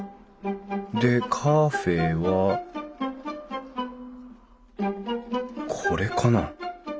でカフェはこれかな？